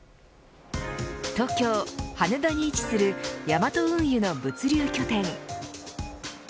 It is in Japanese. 東京、羽田に位置するヤマト運輸の物流拠点。